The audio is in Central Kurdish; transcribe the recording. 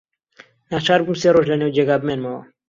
ناچار بووم سێ ڕۆژ لەنێو جێگا بمێنمەوە.